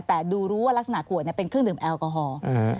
แต่ดูรู้ว่ารักษณะขวดเป็นเครื่องดื่มแอลกอฮอล์